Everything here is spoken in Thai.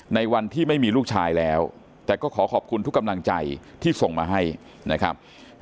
ในวันที่ไม่มีลูกชายแล้วแต่ก็ขอขอบคุณทุกกำลังใจที่ส่งมาให้นะครับ